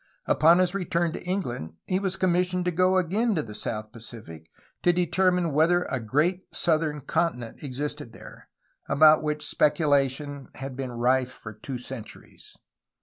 Upon his return to England he was commis sioned to go again to the south Pacific to determine whether a great southern continent existed there, about which spec ulation had been rife for two centuries.